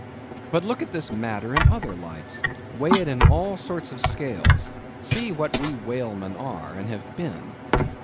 But look at this matter in other lights; weigh it in all sorts of scales; see what we whalemen are, and have been.